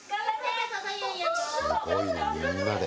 すごいね、みんなで。